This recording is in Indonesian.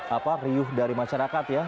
apa riuh dari masyarakat ya